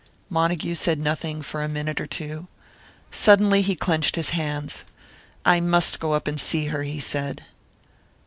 Montague said nothing for a minute or two. Suddenly he clenched his hands. "I must go up and see her," he said.